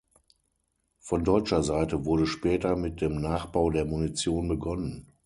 Von deutscher Seite wurde später mit dem Nachbau der Munition begonnen.